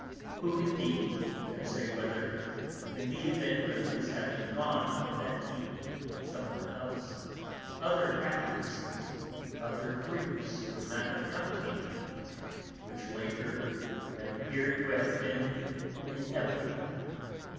Who, indeed, can say whether, in the event of his having gone, that evening, somewhere else, other happinesses, other griefs would not have come to him, which, later, would have appeared to have been inevitable?